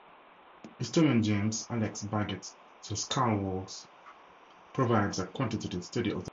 Historian James Alex Baggett's "The Scalawags" provides a quantitative study of the population.